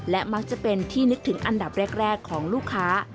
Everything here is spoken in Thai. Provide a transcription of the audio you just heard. และมักจะเป็นที่นึกถึงอันดับแรกของลูกค้า